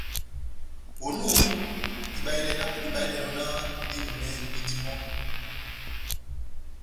Onu, ibahedɛ dámu díbahedɛnɔ náh medímo mehembindini mɔ́,